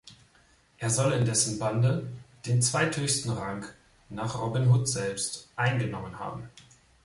Er soll in dessen Bande den zweithöchsten Rang nach Robin Hood selbst eingenommen haben.